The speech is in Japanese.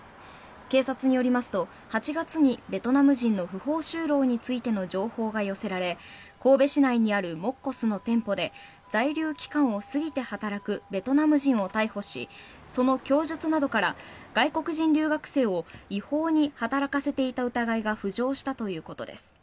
警察によりますと、８月にベトナム人の不法就労についての情報が寄せられ神戸市内にあるもっこすの店舗で在留期間を過ぎて働くベトナム人を逮捕しその供述などから外国人留学生を違法に働かせていた疑いが浮上したということです。